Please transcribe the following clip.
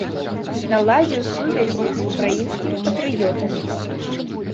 Наладзіў сувязі з украінскімі патрыётамі.